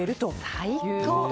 最高！